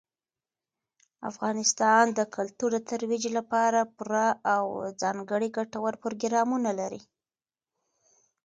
افغانستان د کلتور د ترویج لپاره پوره او ځانګړي ګټور پروګرامونه لري.